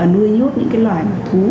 nuôi nhốt những loài thú